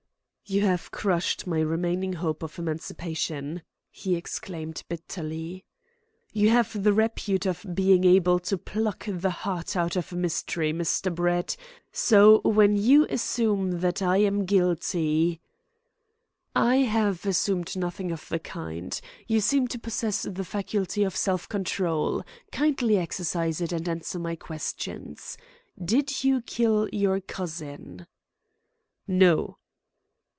"You have crushed my remaining hope of emancipation," he exclaimed bitterly. "You have the repute of being able to pluck the heart out of a mystery, Mr. Brett, so when you assume that I am guilty " "I have assumed nothing of the kind. You seem to possess the faculty of self control. Kindly exercise it, and answer my questions, Did you kill your cousin?" "No."